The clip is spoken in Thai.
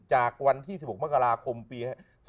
จากวันที่๑๖มคปี๒๕๙๙